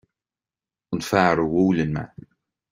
An fear a bhuaileann mé.